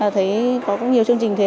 thấy có cũng nhiều chương trình thế